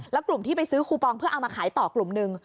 แล้วกลุ่มที่ไปซื้อคูปองเพื่อเอามาขายต่อกลุ่มหนึ่ง